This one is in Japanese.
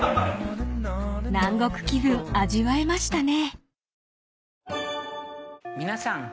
［南国気分味わえましたね］